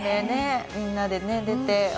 みんなで出て。